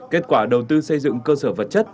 kết quả đầu tư xây dựng cơ sở vật chất